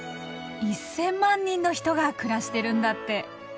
１，０００万人の人が暮らしてるんだって。